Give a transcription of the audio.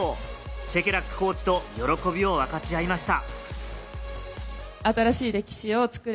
シェケラックコーチと喜びを分かち合いました。